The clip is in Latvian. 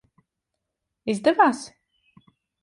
Izdevās?